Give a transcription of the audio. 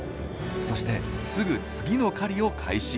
そしてすぐ次の狩りを開始。